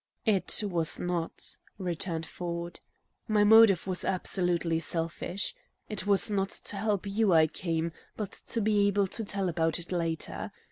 "It was not," returned Ford. "My motive was absolutely selfish. It was not to help you I came, but to be able to tell about it later.